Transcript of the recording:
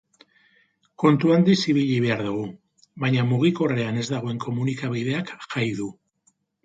Kontu handiz ibili behar dugu, baina mugikorrean ez dagoen komunikabideak jai du.